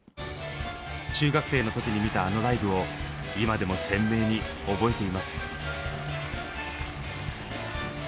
中学生の時に見たあのライブを今でも鮮明に覚えています。